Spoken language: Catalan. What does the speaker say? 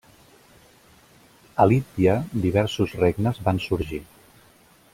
A l'Índia, diversos regnes van sorgir.